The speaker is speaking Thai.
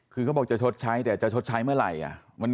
คือเขาบอกจะชดใช้แต่จะชดใช้เมื่อไหร่